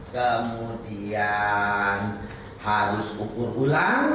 kemudian harus ukur bulan